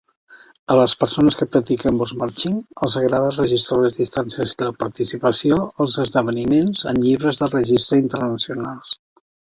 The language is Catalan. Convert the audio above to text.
A les persones que practiquen Volksmarching els agrada registrar les distàncies i la participació als esdeveniments en llibres de registre internacionals.